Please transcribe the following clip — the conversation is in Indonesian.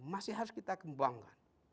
masih harus kita kembangkan